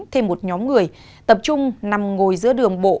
thêm một nhóm người tập trung nằm ngồi giữa đường bộ